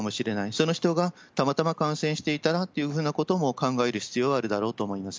その人がたまたま感染していたらっていうふうなことも考える必要はあるだろうと思います。